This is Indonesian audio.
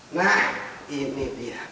nah ini dia